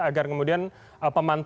agar kemudian pemanahnya lebih kecil